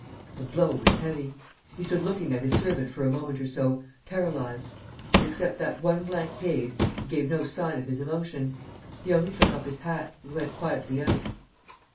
The blow was heavy. He stood looking at his servant for a moment or so, paralysed; but except that one blank gaze, he gave no sign of his emotion. He only took up his hat, and went quietly out.